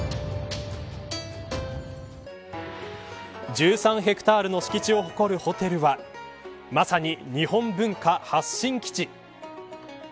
１３ヘクタールの敷地を誇るホテルはまさに日本文化発信基地。